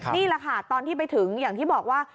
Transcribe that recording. นี่แหละค่ะตอนที่ไปถึงอย่างที่บอกว่า